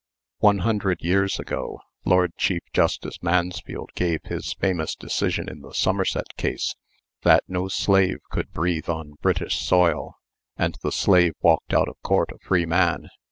One hundred years ago, Lord Chief Justice Mansfield gave his famous decision in the Somerset case, "That no slave could breathe on British soil," and the slave walked out of court a free man.